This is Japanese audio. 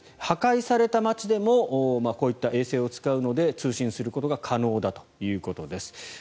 破壊された街でもこういった衛星を使うので通信することが可能だということです。